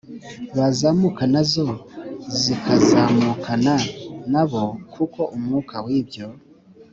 bazamuka k na zo zikazamukana na bo kuko umwuka w ibyo